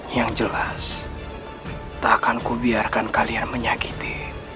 yang jelas takkan kubiarkan kalian menyakiti